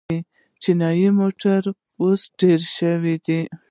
چیني موټرې اوس ډېرې شوې دي.